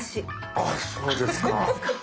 あっそうですか。